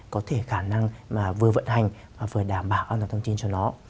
có thể khả năng vừa vận hành và vừa đảm bảo thông tin cho nó